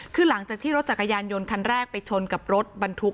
คือหลังจากที่รถจักรยานยนต์คันแรกไปชนกับรถบรรทุก